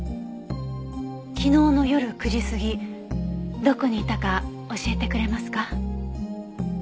昨日の夜９時過ぎどこにいたか教えてくれますか？